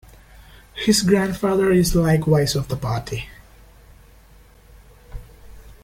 His grandfather is likewise of the party.